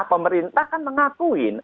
pemerintah kan mengakuin